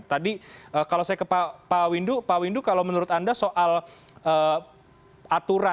tadi kalau saya ke pak windu pak windu kalau menurut anda soal aturan pvkm kah atau psbbkah